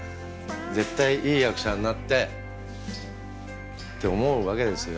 絶対いい役者になってって思うわけですよ